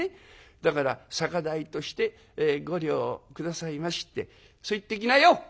『だから酒代として５両下さいまし』ってそう言ってきなよ！」。